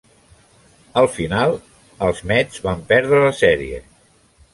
Al final, els Mets van perdre la sèrie.